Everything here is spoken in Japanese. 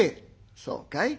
「そうかい。